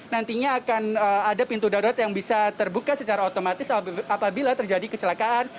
nantinya akan ada pintu darurat yang bisa terbuka secara otomatis apabila terjadi kecelakaan